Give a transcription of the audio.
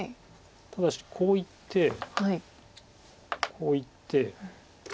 ただしこういってこういって。